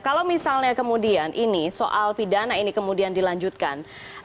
kalau misalnya kemudian ini soal pidana ini kemudian dilanjutkan